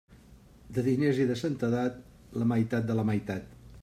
De diners i de santedat, la meitat de la meitat.